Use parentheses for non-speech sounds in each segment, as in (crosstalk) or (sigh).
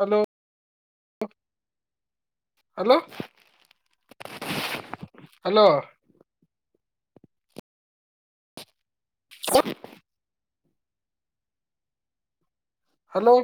Hello hello hello ಹ hello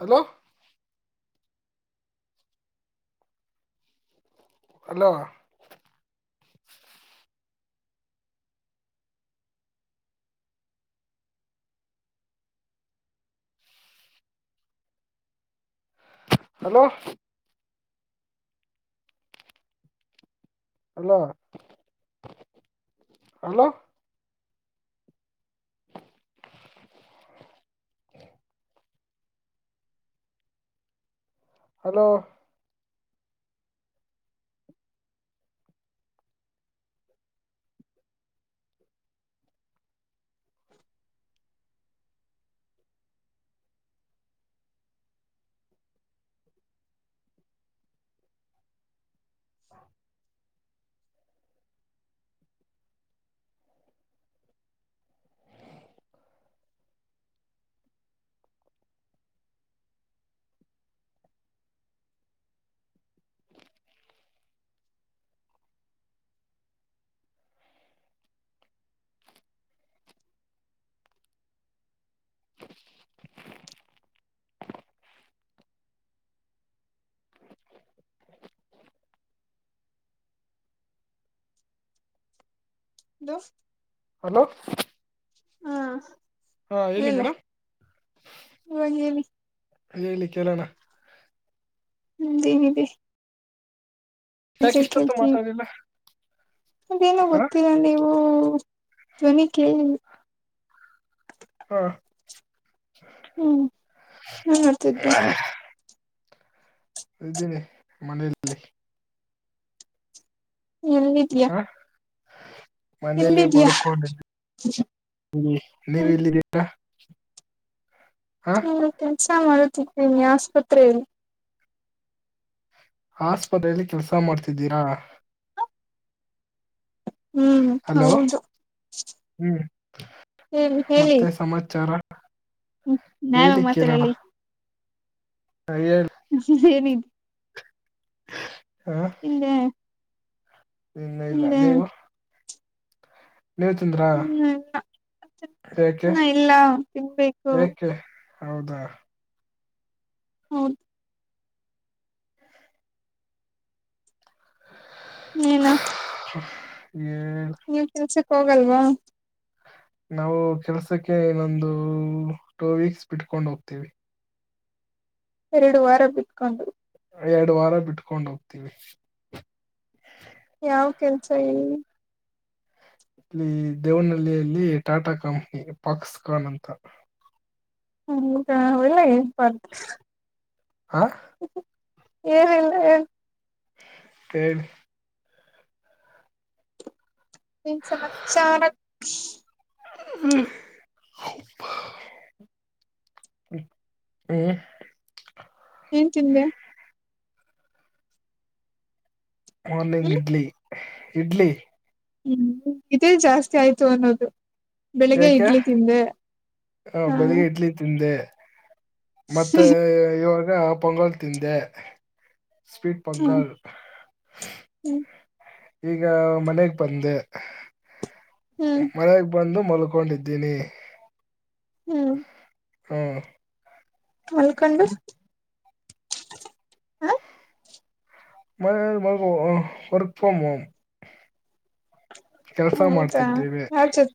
hello hello hello hello hello (inaudible) hello. ಹಾ (inaudible) ದೋಸ್ತ್ hello ಹಾ ಹಾ ಹೇಳಿ ಹೇಳು ಮೇಡಮ್ ಇವಾಗ ಹೇಳಿ ಹೇಳಿ ಕೇಳೋಣ. ಹ್ಮ (unintelligible) ಯಾಕ ಇಷ್ಟತ್ತು ಕೇಳ್ತೀವಿ ಮಾತಾಡ್ಲಿಲ್ಲ ಅದೇನೋ ಗೊತಿಲ್ಲಾ ನೀವು ಧ್ವನಿ ಕೇಳಿ ಹಾ ಹ್ಮ್ ಏನ್ ಮಾಡ್ತಿದ್ದೆ. ಇದ್ದೀನಿ ಮನೆಯಲ್ಲಿ ಎಲ್ಲಿದಿ. (inaudible) ಮನೇಲಿ ಎಲ್ಲಿದ್ಯಾ ಮಾಲ್ಕೊಂಡೆ ಹ್ಮ್ ನೀವಲ್ಲಿದೀರಾ. ನಾನು ಕೆಲ್ಸ ಮಾಡುತ್ತಿದ್ದೀನಿ ಆಸ್ಪತ್ರೆಯಲ್ಲಿ. ಆಸ್ಪತ್ರೆಯಲ್ಲಿ ಕೆಲ್ಸ ಮಾಡ್ತಿದ್ದೀರಾ? ಹ್ಮ್ ಹಲೋ ಹೌದು. ಹ್ಮ್ ಹೇಳಿ ಹೇಳಿ ಮತ್ತೆ ಸಮಾಚಾರ. ಹ್ಮ ನ್ಯಾಯವಾಗ ಹೇಳಲಿ ಕೇಳೋಣ ಮಾತಾಡಲ್ಲಿ ಹಾ ಹೇಳಿ. (inaudible) ಹಾ ಇಲ್ಲ (unintelligible) ಇನ್ನ ಇಲ್ಲ ನೀವು ನೀವ್ ತಿಂದ್ರ ಇನ್ನ ಯಾಕೆ? ಇಲ್ಲ ತಿನ್ಬೇಕು ಯಾಕೆ? ಹೌದ ಹೌದು ಏನು? ಈ (inaudible) ನೀವು ಕೆಲ್ಸಕ್ ಹೋಗಲ್ವಾ? ನಾವು ಕೆಲ್ಸಕ್ಕೆ ಇನ್ನೊಂದು ಟೂ ವೀಕ್ಸ್ ಬಿಟ್ಕೊಂಡ ಹೋಗ್ತೀವಿ. ಎರಡು ವಾರ ಬಿಟ್ಕೊಂಡು. ಎರಡು ವಾರ ಬಿಟ್ಕೊಂಡ್ ಹೋಗ್ತೀವಿ. ಯಾವ್ ಕೆಲ್ಸ ಹೇಳಿ ಇಲ್ಲಿ ದೇವನಹಳ್ಳಿಯಲ್ಲಿ ಟಾಟಾ ಕಂಪ್ನಿ ಪಾಕ್ಸ್ಖಾನ್ ಅಂತ. ಹೌದಾ ಒಳ್ಳೆ. (unintelligible) ಹಾ ಏನಿಲ್ಲ ಹೇಳಿ. ಹೇಳಿ ಏನ್ ಸಮಾಚಾರ? ಹ (inaudible) ಹ್ಮ ಏನ್ ತಿಂದ್ರಿ? ಮಾರ್ನಿಂಗ್ ಹ್ಮ್ ಇಡ್ಲಿ? ಇಡ್ಲಿ. ಹ್ಮ್ ಇದೇ ಜಾಸ್ತಿ ಆಯ್ತು ಅನ್ನೋದು. ಬೆಳಿಗ್ಗೆ ಯಾಕೆ ಇಡ್ಲಿ ತಿಂದೆ ಆ, ಹಾ. ಬೆಳಿಗ್ಗೆ ಇಡ್ಲಿ ತಿಂದೆ. ಮತ್ತೆ ಇವಾಗ ಪೊಂಗಲ್ ತಿಂದೆ ಸ್ವೀಟ್ ಪೊಂಗಲ್. ಹ್ಮ್ ಈಗ ಮನೆಗ್ ಬಂದೆ ಹ್ಮ್ ಮನೆಗ್. ಬಂದು ಮಲ್ಕೊಂಡಿದ್ದೀನಿ. ಹ್ಮ್ ಹ್ಮ ಮಲ್ಕಂಡು ಮ ವರ್ಕ್ ಫ್ರಮ್ ಹೋಮ್ ಕೆಲಸ ಮಾಡ್ತಿದ್ದೇವೆ.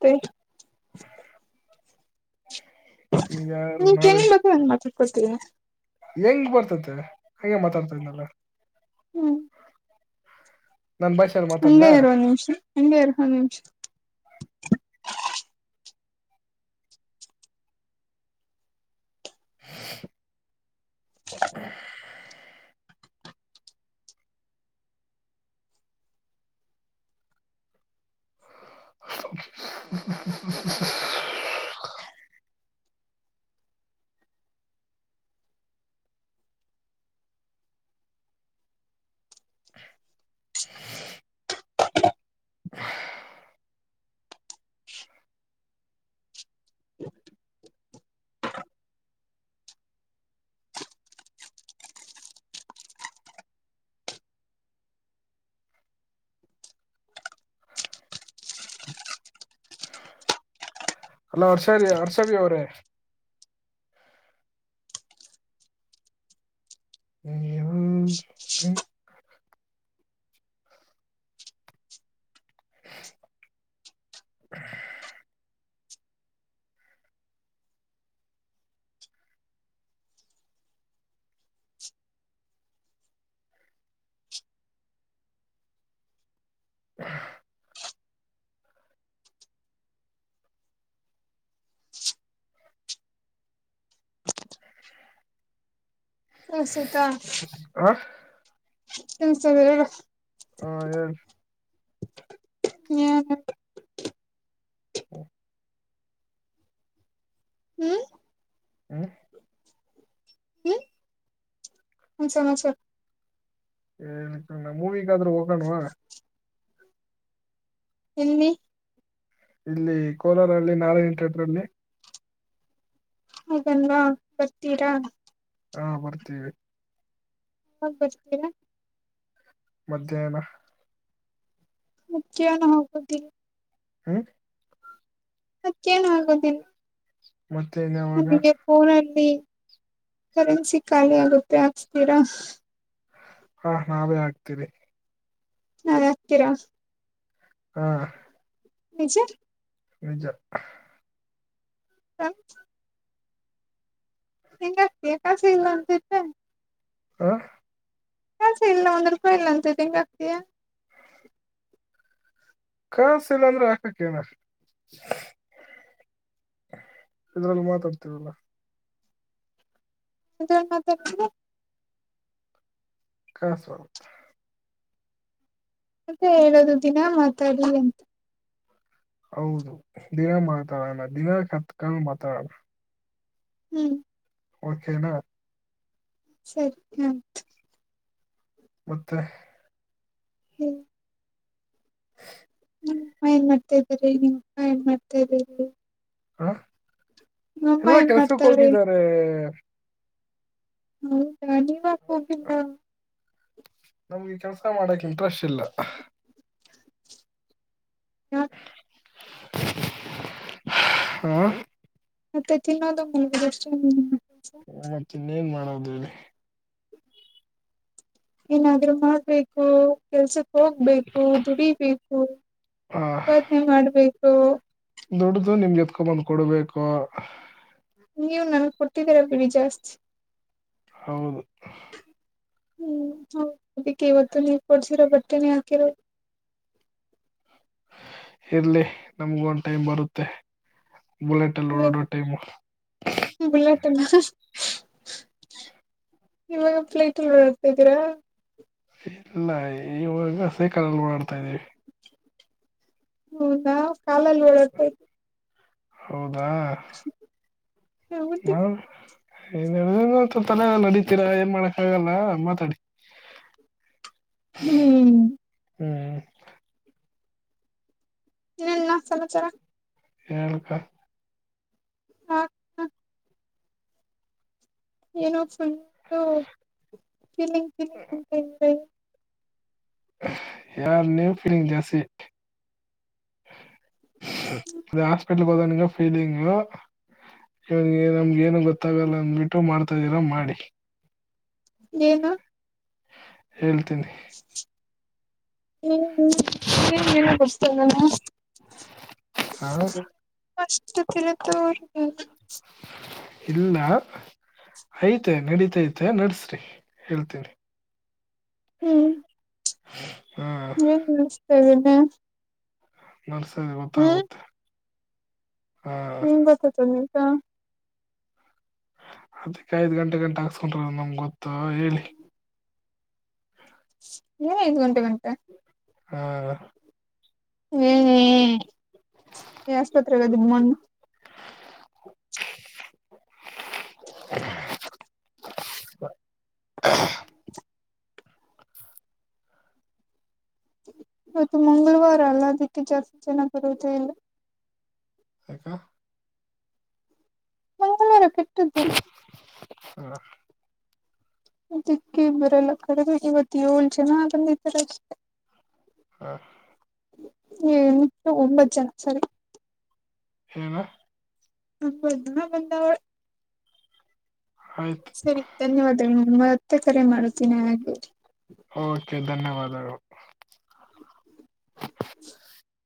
ಸ (unintelligible) ಈಗ ಯಾರು ನಿ (inaudible) ನನ್ ಬಗ್ಗೆ ಒಂದ್ ಮಾತಾಡ್ಕೊಳ್ತೀ. ಹೆಂಗ ಬರ್ತತೆ ಹಗೆ ಮಾತಾಡ್ತಾ ಇದನಲ್ಲ. ಹ್ಮ್ ನನ್ (unintelligible) ಬಾಯ ಹಂಗೆ ಇರು ಒಂದ್ ನಿಮ್ಸ ಹಂಗೆ ಇರು ನಿಮ್ಸ್ (inaudible) (inaudible) ಹ್ಮ ಹ್ಮ ಹ್ಮ ಹ್ಮ್ ಹ್ಮ್್ಮ (inaudible) (inaudible) (inaudible) ಹಲೋ ಹರ್ಷ ಹರ್ಷ ಬಿ ಅವ್ರೇ ಹ (unintelligible) ಹ್ಮ್ (inaudible) ಹ (inaudible) ಹ್ಮ್ ಸೇತ ಹಾ ಎಸ (inaudible) ಹಾ ಹೇಳ್ ಹ್ಮ್್ಮ (unintelligible) ಹ್ಮ (unintelligible) ಹ್ಮ್ ಹ್ಮ್ ಹ್ಮ್ ಏನ್ ಸಮಾಚಾರ ಏ (unintelligible) ಮೂವಿಗಾದ್ರೂ ಹೋಗೋಣವಾ ಎಲ್ಲಿ ಇಲ್ಲಿ ಕೋಲಾರಲ್ಲಿ ನಾರಾಯಣ (unintelligible) ೇಟರ್ಲ್ಲಿ ಹೋಗೋಣ್ವಾ ಬರ್ತೀರಾ ಹಾ ಬರ್ತೀವಿ ಯಾವಾಗ್ ಬರ್ತೀರಾ ಮಧ್ಯಾಹ್ನ ಮಧ್ಯಾಹ್ನ ಹೋಗುದಿಲ್ ಹ್ಮ್ ಮಧ್ಯಾಹ್ನ ಆಗುದಿಲ್ ಮತ್ತೆ ನ್ಾವಾಗ ಫೋನಲ್ಲಿ ಕರೆನ್ಸಿ ಖಾಲಿ ಆಗುತ್ತೆ ಹಾಕ್ಸ್ತೀರಾ ಹಾ ನಾವೇ ಆಗ್ತೀರಿ ನಾವಾಗಗ್ತೀರಾ ಹಾ ಚರ್ ನಿಜ ಹ ನಿಂಗ ಆಗ್ತಿ ಕಾಸಿಲ್ಲ ಅಂತಿತ್ತೆ ಆ ಸೆ ಇಲ್ಲ ಒಂದ್ೂಪಾಯ ಇಲ್ಲ ಅಂತ ಇ ಹೆಂಗ ಆತಾ ಕಸ ಇಲ್ಲ ಅಂದ್ರೆ ಹಾಕಕ್ಕೇನ ಇದ್ರಲ್ಲಿ ಮಾತಾಡ್ತಿರಲ್ಲ ಮತ್ತ (unintelligible) (unintelligible) ಮತ್ತೆ ಹೇಳದು ದಿನಾ ಮಾತಾಡ್ಲಿ ಅಂ ಹೌದು ದಿನ ಮಾತಾಡೋಣ ದಿನ ಕತ್ಕೊಂಡು ಮಾತಾಡೋಣ ಹ್ಮ್ ಓಕೆನಾ ಸರಿ ಹ್ಮ ಮತ್ತೆ ಹ್ಮ ಹ ನಿಮ್ಮ ಅಮ್ಮ ಏನ್ ಮಾಡ್ತಾ ಇದ್ದರಿ ನಿಮ್ಮ ಅಪ್ಪ ಏನ್ ಮಾಡ್ತಾ ಇದ್ದೀರಿ ಹ ಎಲ್ಲಾ ಏನ್ ಕೆಲ್ಸಕ್ಕ ಮಾಡ್ತಾವ್ರೆ ಹೋಗಿದರೆ ಹೌದಾ ನೀವ್ ಹಾಕೋಗಿಲ್ಲ ನಮ್ಗೆ ಕೆಲ್ಸ ಮಾಡಕ್ ಇಂಟ್ರೆಸ್ಟ್ ಇಲ್ಲ ಯಾಕೆ ಹಾ (unintelligible) ಮತ್ತೆ ತಿನ್ನೋದ ಮಲಗುದು ಅಷ್ಟೆನಾ (unintelligible) ಮತ್ತ ಇನ್ನೇನ್ ಮಾಡೋದು ಹೇಳಿ ಏನಾದ್ರೂ ಮಾಡ್ಬೇಕು ಕೆಲ್ಸಕ್ ಹೋಗ್ಬೇಕು ದುಡಿಬೇಕು ಆ ಪಾದನೆ ಮಾಡ್ಬೇಕು ದುಡ್ಡದು ನಿಮ್ಗೆತ್ಕೊಬಂದ್ ಕೊಡ್ಬೇಕು ನೀವ ನನ್ಗೆ ಕೊಟ್ಟಿದ್ದೀರಾ ಬಿಡಿ ಜಾಸ್ತಿ ಹೌದು ಹ್ಮ್ ಹೌ ಅಕ್ಕೆ ಇವತ್ತು ನೀವು ಕೊಡ್ಸಿರೋ ಬಟ್ಟೆನ ಹಾಕಿರೋಧು ಇರ್ಲಿ ನಮಗ ಒಂದ್ ಟೈಮ್ ಬರುತ್ತೆ ಬುಲೆಟ್ ಅಲ್ಲಿ ಏನ್ ಓಡಾಡೋ ಟೈಮ್ ಬುಲೆಟ್ ಅಲ್ಲಿ ಹಾ ಇವಾಗ (unintelligible) ಓಡ್ತಾದ್ದೀರಾ ಇಲ್ಲ ಇವಾಗ ಸೇಕಾಲಲ್ಲಿ ಓಡಾಡ್ತಾ ಇದೀವಿ ಹ್ಮ್ ನಾವು ಕಾಲಲ್ಲಿ ಓಡಾಡ್ವಿ ಹೌದಾ ಇದ್ದೀರಾ ಹೌದು ನಾ (unintelligible) ತಲೆ ನಡಿತೀರಾ ಏನ್ ಮಾಡಕ್ ಆಗಲ್ಲ ಮಾತಾಡಿ ಹ್ಮ್ ಹ್ಮ್ ಇನ್ ಏನ್ ನಾ ಸಮಚಾರ ಹೇಳ್ಕಾ ಹ ಏನೋ ಫುಲ್ಲು ಗಿಮಿಕ್ ಹ ಹ (unintelligible) (unintelligible) ಯಾರ ನೀವುಫೀಂಗ್ ಜಸಿ ಇ ಹಾಸ್ಪಟಲ್ ಹೋದಾಗ ನಿನ್ಗ್ ಫೀಲಿಂಗ್ ಇವನ್ ನಮ್ಗ ಏನು ಗೊತ್ತಾಗಲ್ಲ ಅಂದ್ಬಿಟ್ಟು ಮಾಡ್ತಾ ಇದ್ದೀರಾ ಮಾಡಿ ಏನು? ಹೇಳ್ತೀನಿ. ಹ್ಮ ಹ ನ ಕೊತಾನ ಹಾ (unintelligible) ಕಷ್ಟ (unintelligible) ಇಲ್ಲ ಐತೆ ನಡೀತ ಐತೆ ನಡಸ್ರಿ ಹೇಳ್ತವ್ರಿ ಹ್ಮ್ ಹಾ ಹ್ಮ್ ನ್ತ (unintelligible) ನಲ್ಸರಿ ಗೊತ್ತಾಗುತ್ತೆ ಹಾ ಹ್ಮ ಗೊತ್ತತ ನೀತಾ ಅದಕ್ಕ ಐದ್ ಗಂಟೆ ಗಂಟ ಹಾಕ್ಸ್ಕೊಂಡ್ರ ಅ ನಮ್ಗೆ ಗೊತ್ತ ಹೇಳಿ ಏನ್ ಐದ್ ಗಂಟೆಗಂಟ ಹಾ ಏ ಏ ಆಸ್ಪತ್ರೆಗದ ಮಣ್ಣು (inaudible) (inaudible) ಇವತ್ತು ಮಂಗಳವಾರ ಅಲ್ಲ ಅದಕ್ಕೆ ಜಾಸ್ತಿ ಜನ ಬರುವುದ ಇಲ್ಲ ಯಾಕ? ಮಂಗಳವಾರ ಬಿಟದ್ ಹ್ಮ ದಿಕ್ಕೆ ಬರಲ್ಲ ಕಡೆದು ಇವತ್ ಏಳ್ ಜನ ಬಂದಿದ್ದಾರೆ ಅಷ್ಟೇ. ಹಾ ಒಂಬತ್ ಜನ ಸರಿ (unintelligible) ಹೇಮ ಹ ನ ಬಂದಾವಳ (unintelligible) ಆಯ್ತು ಸರಿ ಧನ್ಯವಾದಗಳು ಮತ್ತೆ ಕರೆ ಮಾಡುತ್ತೀನಿ ಹಾಗೆ ಓಕೆ ಧನ್ಯವಾದಗಳು. ಹ್ಮ